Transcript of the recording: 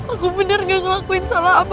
aku bener gak ngelakuin salah apa